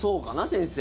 先生。